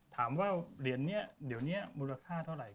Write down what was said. ถามว่าเหรียญนี้เดี๋ยวนี้มูลค่าเท่าไหร่